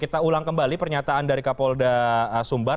kita ulang kembali pernyataan dari kapolda sumbar